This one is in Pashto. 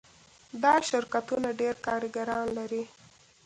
دا شرکتونه ډیر کارګران لري.